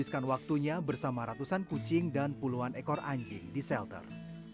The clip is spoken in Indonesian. menghabiskan waktunya bersama ratusan kucing dan puluhan ekor anjing di shelter